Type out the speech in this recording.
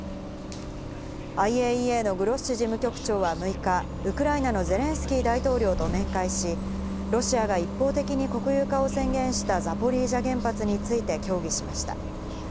ＩＡＥＡのグロッシ事務局長は６日、ウクライナのゼレンスキー大統領と面会し、ロシアが一方的に国有化を宣言したザポリージャ原発について協議しました。